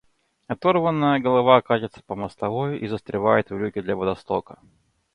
Оторванная голова катится по мостовой и застревает в люке для водостока.